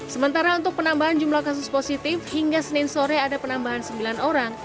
sementara untuk penambahan jumlah kasus positif hingga senin sore ada penambahan sembilan orang